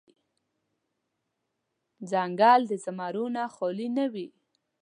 ځنګل د زمرو نه خالې نه وي.